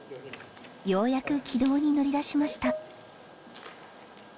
ようやく軌道に乗り出しました。